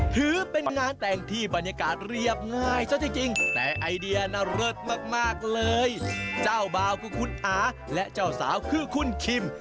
คู่บ่าวคือคุณอาและเจ้าสาวคือคุณคิม